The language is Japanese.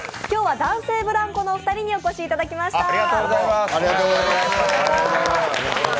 今日は男性ブランコのお二人にお越しいただきました。